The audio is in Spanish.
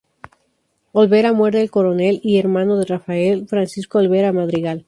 Olvera, muere el coronel y hermano de Rafael, Francisco Olvera Madrigal.